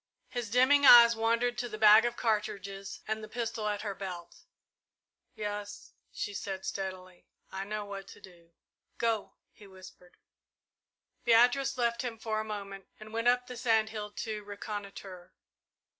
His dimming eyes wandered to the bag of cartridges and the pistol at her belt. "Yes," she said steadily, "I know what to do." "Go!" he whispered. Beatrice left him for a moment and went up the sand hill to reconnoitre.